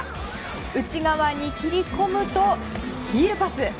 内側に切り込むとヒールパス。